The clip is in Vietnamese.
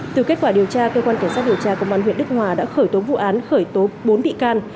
từ kết quả điều tra cơ quan cảnh sát điều tra công an huyện đức hòa đã khởi tố vụ án khởi tố bốn bị can